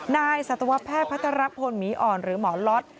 สัตวแพทย์พัทรพลหมีอ่อนหรือหมอล็อต